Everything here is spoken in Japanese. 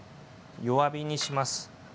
弱火にします。